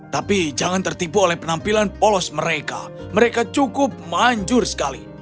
tapi jangan tertipu oleh penampilan polos mereka mereka cukup manjur sekali